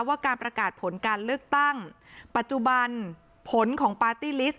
ว่าการประกาศผลการเลือกตั้งปัจจุบันผลของปาร์ตี้ลิสต